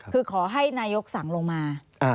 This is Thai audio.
คือขอให้นายกสั่งลงมา